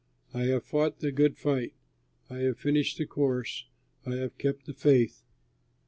I have fought the good fight. I have finished the course, I have kept the faith.